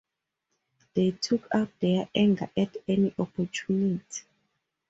They took out their anger at any opportunity.